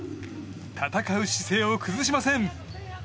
戦う姿勢を崩しません。